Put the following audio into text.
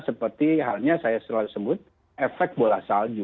seperti halnya saya selalu sebut efek bola salju